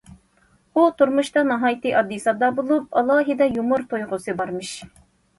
ئۇ تۇرمۇشتا ناھايىتى ئاددىي- ساددا بولۇپ،« ئالاھىدە يۇمۇر تۇيغۇسى» بارمىش.